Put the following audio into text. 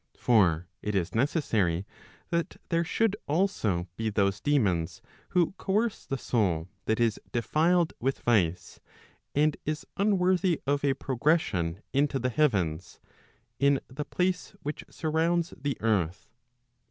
] For it is necessary that there should also be those daemons who coerce the soul that is defiled with vice, and is unworthy of a progression into the heavens, in the place which surrounds the earth.